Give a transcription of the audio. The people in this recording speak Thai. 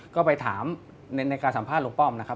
ก็ไปถามในการสัมภาษณป้อมนะครับ